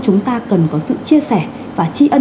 chúng ta cần có sự chia sẻ và tri ân